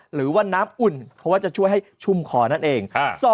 หรือว่าน้ำอุ่นเพราะว่าจะช่วยให้ชุ่มคอนั่นเอง